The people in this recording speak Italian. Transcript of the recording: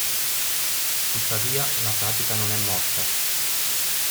Tuttavia, la pratica non è morta.